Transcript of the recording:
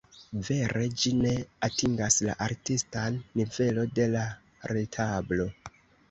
Vere ĝi ne atingas la artistan nivelo de la retablo.